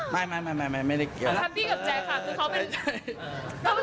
ไม่ได้เกี่ยวกับว่า